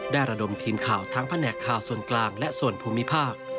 ระดมทีมข่าวทั้งแผนกข่าวส่วนกลางและส่วนภูมิภาค